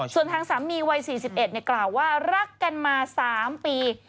ส่วนทางสามีวัย๔๑กล่าวว่ารักกันมา๓ปี